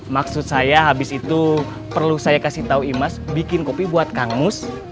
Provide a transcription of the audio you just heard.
maksud saya habis itu perlu saya kasih tau imas bikin kopi buat kangmus